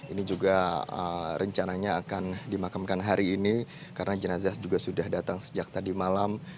ini juga rencananya akan dimakamkan hari ini karena jenazah juga sudah datang sejak tadi malam